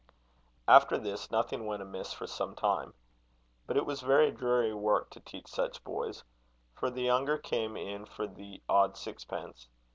After this, nothing went amiss for some time. But it was very dreary work to teach such boys for the younger came in for the odd sixpence.